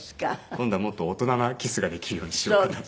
今度はもっと大人なキスができるようにしようかなって。